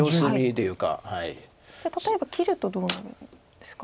じゃあ例えば切るとどうなるんですか？